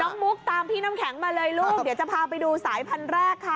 มุกตามพี่น้ำแข็งมาเลยลูกเดี๋ยวจะพาไปดูสายพันธุ์แรกค่ะ